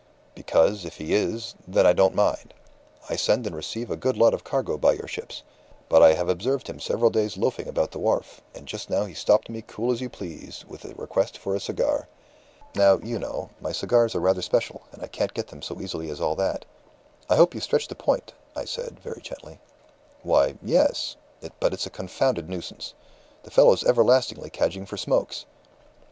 'Because, if he is, then I don't mind; I send and receive a good lot of cargo by your ships; but I have observed him several days loafing about the wharf, and just now he stopped me as cool as you please, with a request for a cigar. Now, you know, my cigars are rather special, and I can't get them so easily as all that.' 'I hope you stretched a point,' I said, very gently. 'Why, yes. But it's a confounded nuisance. The fellow's everlastingly cadging for smokes.